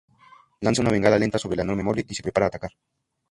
Lanza una bengala lenta sobre la enorme mole y se prepara a atacar.